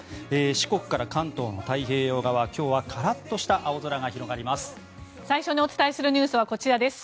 四国から関東の太平洋側今日はカラッとした青空が広がります。